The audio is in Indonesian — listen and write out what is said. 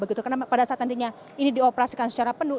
karena pada saat nantinya ini dioperasikan secara penuh